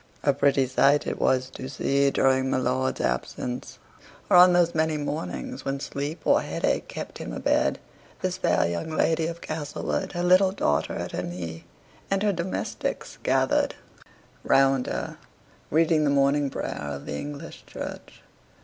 A pretty sight it was to see, during my lord's absence, or on those many mornings when sleep or headache kept him a bed, this fair young lady of Castlewood, her little daughter at her knee, and her domestics gathered round her, reading the Morning Prayer of the English Church.